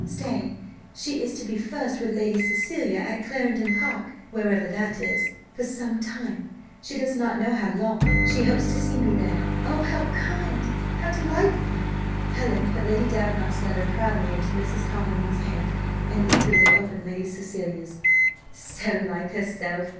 Stay she is to be first with Lady Cecilia at Clarendon Park, wherever that is, for some time she does not know how long she hopes to see me there oh! how kind, how delightful!" Helen put Lady Davenant's letter proudly into Mrs. Collingwood's hand, and eagerly opened Lady Cecilia's. "So like herself!